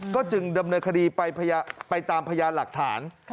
ก็จึงดำเนินคดีไปตามพยานหลักฐาน